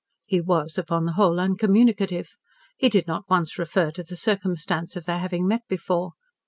He was, upon the whole, uncommunicative. He did not once refer to the circumstance of their having met before.